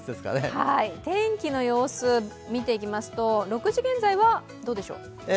天気の様子、見ていきますと６時現在はどうでしょう。